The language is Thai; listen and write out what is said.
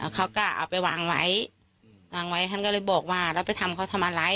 เขาก็เอาไปวางไว้วางไว้ท่านก็เลยบอกว่าแล้วไปทำเขาทำอะไร